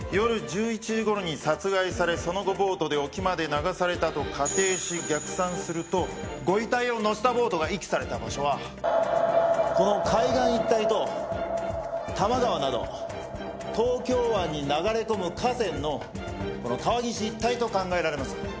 夜１１時頃に殺害されその後ボートで沖まで流されたと仮定し逆算するとご遺体を乗せたボートが遺棄された場所はこの海岸一帯と多摩川など東京湾に流れ込む河川の川岸一帯と考えられます。